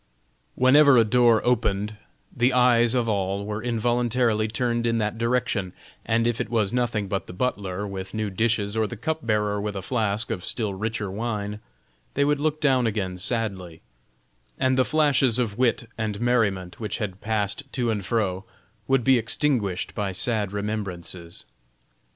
Whenever a door opened, the eyes of all were involuntarily turned in that direction, and if it was nothing but the butler with new dishes, or the cup bearer with a flask of still richer wine, they would look down again sadly, and the flashes of wit and merriment which had passed to and fro, would be extinguished by sad remembrances.